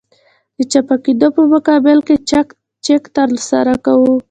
د چپه کېدو په مقابل کې چک ترسره کوو